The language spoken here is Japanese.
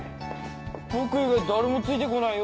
僕以外誰もついて来ないよ